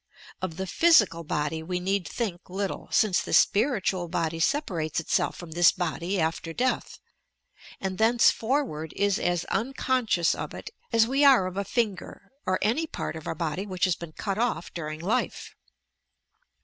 Of the physical body we need think little, since the spiritual body separates itself from this body after death, and thenceforward is as unconscious of it as we are of a finger or any part of our body which has been cut off during life.